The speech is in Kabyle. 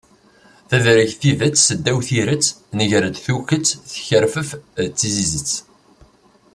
Tedreg tidet, s ddaw tiret, nger-d tukket, tekkerfef d tizizet